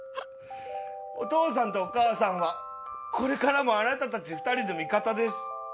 お父さんとお母さんはこれからもあなたたち２人の味方です。